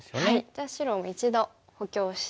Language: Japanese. じゃあ白も一度補強して。